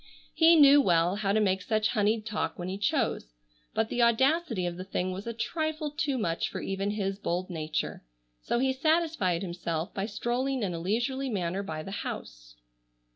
He knew well how to make such honeyed talk when he chose, but the audacity of the thing was a trifle too much for even his bold nature, so he satisfied himself by strolling in a leisurely manner by the house.